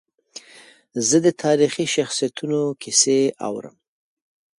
زه د تاریخي شخصیتونو کیسې اورم.